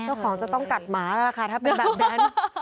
เจ้าของจะต้องกัดหมาแล้วล่ะค่ะถ้าเป็นแบบนั้น